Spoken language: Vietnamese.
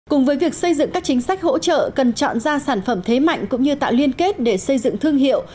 cùng với việc xây dựng các chính sách hỗ trợ cần chọn ra sản phẩm thế mạnh cũng như tạo liên kết để xây dựng thương hiệu